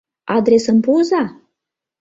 Адресым пуыза...